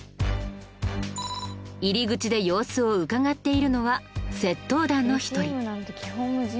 入り口で様子をうかがっているのは窃盗団の一人。